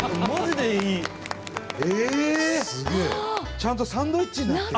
ちゃんとサンドイッチになってる。